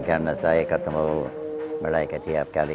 karena saya ketemu mereka tiap kali